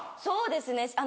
そうですね。